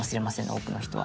多くの人は」